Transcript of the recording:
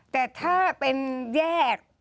แต่ถ้าเป็นแยก